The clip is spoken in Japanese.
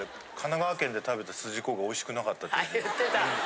言ってた。